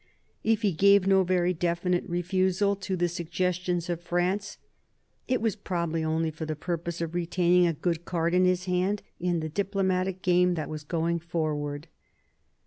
If he gave no very definite refusal to the suggestions of France, it was probably only for the purpose of retaining a good card in his hand in the diplomatic game that was going forward.